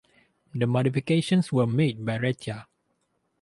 The modifications were made by Retia.